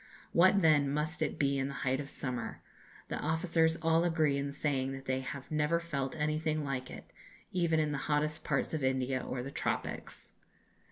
What, then, must it be in the height of summer! The officers all agree in saying that they have never felt anything like it, even in the hottest parts of India or the tropics....